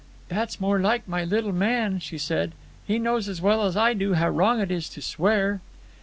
"That's more like my little man," she said. "He knows as well as I do how wrong it is to swear."